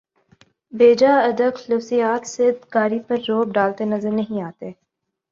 بے جا ادق لفظیات سے قاری پر رعب ڈالتے نظر نہیں آتے